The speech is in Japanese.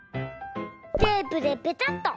テープでペタッっと。